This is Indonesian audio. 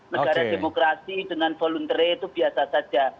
negara demokrasi dengan voluntary itu biasa saja